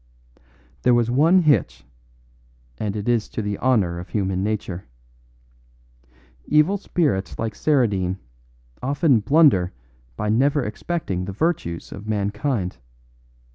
"There was one hitch, and it is to the honour of human nature. Evil spirits like Saradine often blunder by never expecting the virtues of mankind.